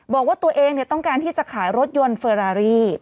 บอกว่าตัวเองต้องการที่จะขายรถยนต์เฟอรารี่